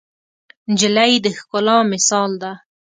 نجلۍ د ښکلا مثال ده.